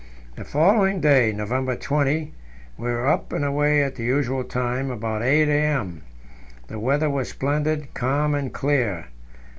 The following day, November 20, we were up and away at the usual time, about 8 a.m. The weather was splendid, calm and clear.